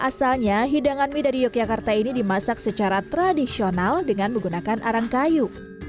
asalnya hidangan mie dari yogyakarta ini dimasak secara tradisional dengan menggunakan arang kayu